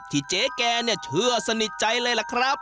ที่เจ๊แก่เชื่อสนิทใจเลยล่ะครับ